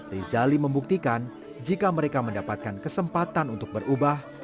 rizali membuktikan jika mereka mendapatkan kesempatan untuk berubah